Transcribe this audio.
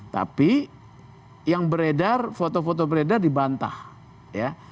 tapi yang beredar foto foto beredar dibantah ya